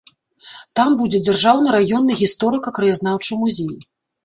Там будзе дзяржаўны раённы гісторыка-краязнаўчы музей.